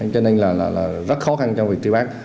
cho nên là rất khó khăn trong việc tri bác